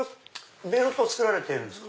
ベルトを作られてるんですか？